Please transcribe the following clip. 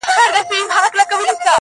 بس ژونده همدغه دی، خو عیاسي وکړه,